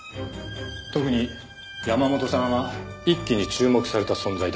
特に山本さんは一気に注目された存在だった。